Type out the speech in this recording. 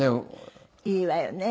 いいわよね。